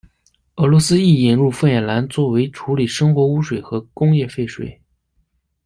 俄罗斯亦引入凤眼蓝作为处理生活污水和工业废水。